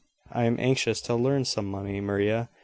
I am anxious to earn some money, Maria.